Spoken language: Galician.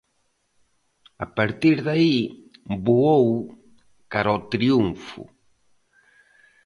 A partir de aí, voou cara ao triunfo.